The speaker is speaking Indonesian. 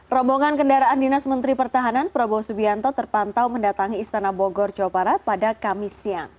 rombongan kendaraan dinas menteri pertahanan prabowo subianto terpantau mendatangi istana bogor jawa barat pada kamis siang